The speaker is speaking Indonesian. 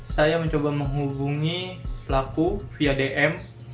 saya mencoba menghubungi pelaku via dm